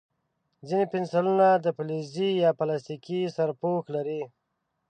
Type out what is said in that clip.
ځینې پنسلونه د فلزي یا پلاستیکي سرپوښ لري.